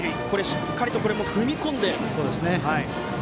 しっかりと踏み込んで。